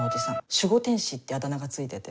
守護天使ってあだ名が付いてて。